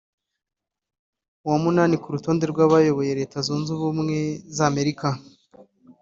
uwa munani ku rutonde rw’abayoboye Leta Zunze Ubumwe z’Amerika